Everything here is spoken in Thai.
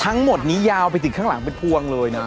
ทั้งหมดนี้ยาวไปถึงข้างหลังเป็นพวงเลยนะ